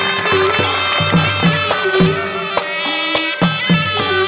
มีชื่อว่าโนราตัวอ่อนครับ